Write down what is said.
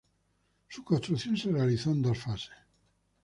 Su construcción se realizó en dos fases.